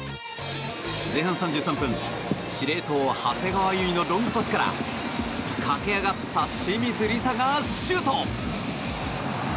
前半３３分、司令塔長谷川唯のロングパスから駆け上がった清水梨紗がシュート！